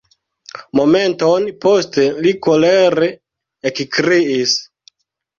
Momenton poste li kolere ekkriis: